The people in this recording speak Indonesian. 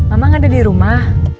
emang ada di rumah